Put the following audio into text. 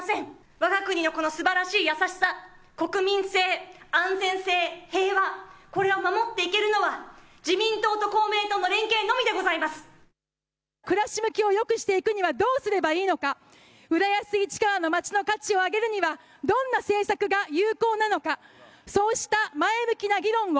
わが国のこのすばらしい優しさ、国民性、安全性、平和、これを守っていけるのは自民党と公明党の暮らし向きを良くしていくにはどうすればいいのか、浦安、市川のまちの価値を上げるにはどんな政策が有効なのか、そうした前向きな議論を。